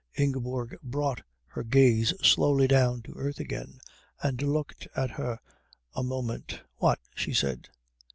Ingeborg brought her gaze slowly down to earth again, and looked at her a moment. "What?" she said.